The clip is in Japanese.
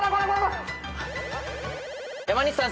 山西さん